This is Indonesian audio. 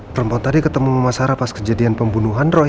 perempuan tadi ketemu sama sarah pas kejadian pembunuhan roy